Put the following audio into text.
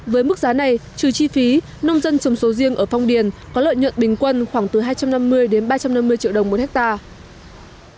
với mức giá này trừ chi phí nông dân trồng sầu riêng ở phong điền có lợi nhuận bình quân khoảng từ hai trăm năm mươi đến ba trăm năm mươi triệu đồng một hectare